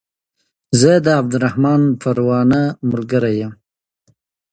زه د عبدالرحمن پروانه ملګری يم